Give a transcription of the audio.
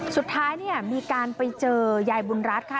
สุดท้ายเนี่ยมีการไปเจอยายบุญรัฐค่ะ